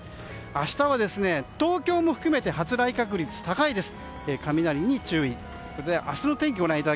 明日は、東京も含めて発雷確率が高いです。